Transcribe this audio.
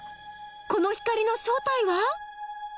この光の正体は？